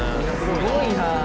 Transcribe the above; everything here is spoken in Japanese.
すごいなあ。